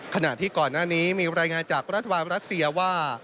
ขณะที่ก่อนหน้านี้มีรายงานจากรัฐบาลรัสเซียว่า